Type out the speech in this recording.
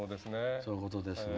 そういうことですね。